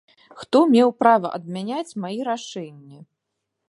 Хто меў права адмяняць мае рашэнні?